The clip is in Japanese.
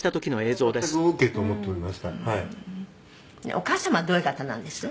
「お母様はどういう方なんです？」